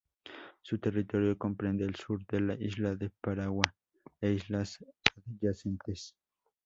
Su territorio comprende el sur de la isla de Paragua e islas adyacentes.